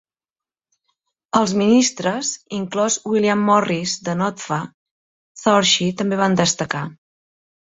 Els ministres, inclòs William Morris de Noddfa, Treorchy, també van destacar.